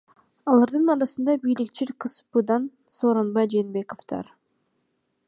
Алардын арасында бийликчил КСДПдан Сооронбай Жээнбеков да бар.